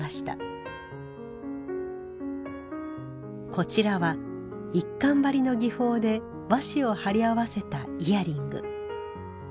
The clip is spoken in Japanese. こちらは一閑張の技法で和紙を貼り合わせたイヤリング。